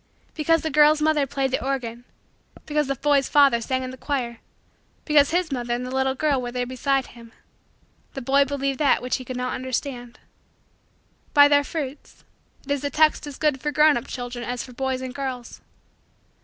Because the girl's mother played the organ because the boy's father sang in the choir because his mother and the little girl were there beside him the boy believed that which he could not understand. "By their fruits" it is a text as good for grown up children as for boys and girls.